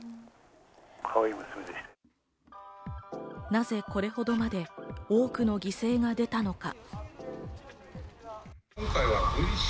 なぜこれほどまで多くの犠牲が出たのか？